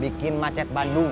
bikin macet bandung